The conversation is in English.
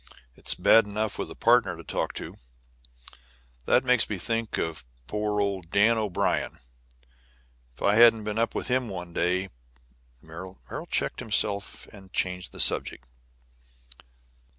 It's bad enough with a partner to talk to. That makes me think of poor old Dan O'Brien. If I hadn't been up with him one day " Merrill checked himself and changed the subject.